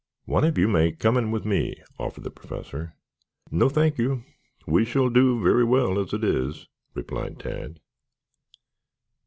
"One of you may come in with me," offered the Professor. "No, thank you, we shall do very well as it is," replied Tad.